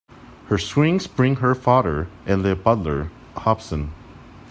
Her screams bring her father and their butler, Hobson.